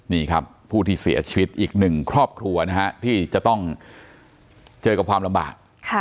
นี่ครับผู้ที่เสียชีวิตอีกหนึ่งครอบครัวนะฮะที่จะต้องเจอกับความลำบาก